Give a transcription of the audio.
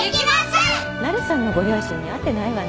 なるさんのご両親に会ってないわね。